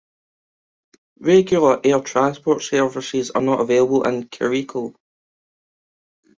Regular air transport services are not available in Kericho.